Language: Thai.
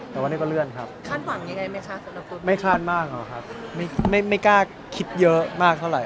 แต่ว่านี้ก็เลื่อไม่ค่าระหว่างเยอะมากเท่าไหร่